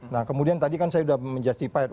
nah kemudian tadi kan saya sudah menjustifikasikan